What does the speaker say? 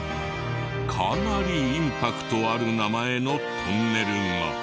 かなりインパクトある名前のトンネルが。